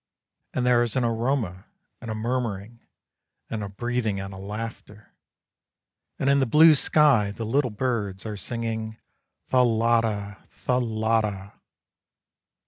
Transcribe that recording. And there is an aroma, and a murmuring, and a breathing and a laughter, And in the blue sky the little birds are singing, Thalatta! Thalatta!